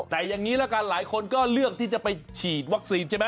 แต่อย่างนี้ละกันหลายคนก็เลือกที่จะไปฉีดวัคซีนใช่ไหม